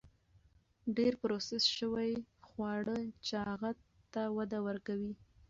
ډېر پروسس شوي خواړه چاغښت ته وده ورکوي.